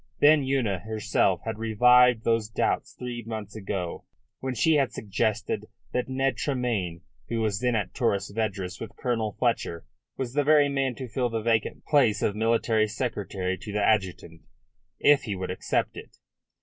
Then Una herself had revived those doubts three months ago, when she had suggested that Ned Tremayne, who was then at Torres Vedras with Colonel Fletcher, was the very man to fill the vacant place of military secretary to the adjutant, if he would accept it.